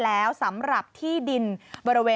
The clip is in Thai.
และตามใจต้องรับหน่อย